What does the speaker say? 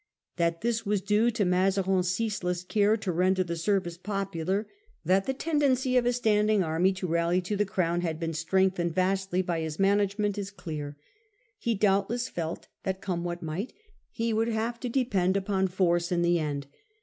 That this was due to Mazarin's ceaseless care to render the service popular, that the tendency of a standing army to rally to the Crown had been strengthened vastly by his management, is clear. He i6s& What Mazarin had accomplished. 59 doubtless felt that, come what might, he would have to depend upon force in the end.